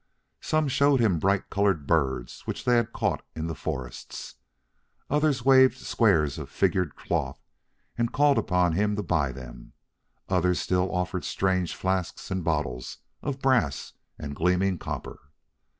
Some showed him bright colored birds which they had caught in the forests; others waved squares of figured cloth and called upon him to buy them; others still offered strange flasks and bottles of brass and gleaming copper.